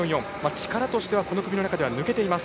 力としてはこの組の中では抜けています。